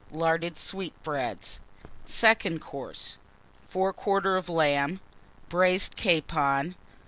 Larded Sweetbreads. Second Course. Fore quarter of Lamb. Braised Capon.